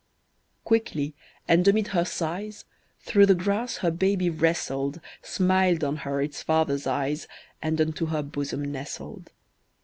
Quickly, and amid her sighs, Through the grass her baby wrestled, Smiled on her its father's eyes, And unto her bosom nestled.